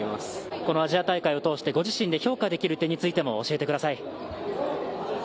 このアジア大会を通してご自身で評価できる点についても教えてください。